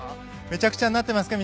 めちゃくちゃになってますか？